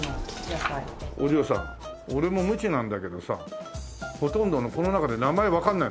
お嬢さん俺も無知なんだけどさほとんどこの中で名前わかんない。